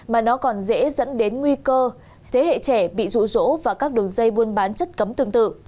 mà nó còn dễ dẫn đến nguy cơ thế hệ trẻ bị rụ rỗ và các đường dây buôn bán chất cấm tương tự